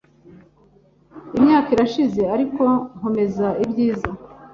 Imyaka irashize, ariko nkomeza ibyiza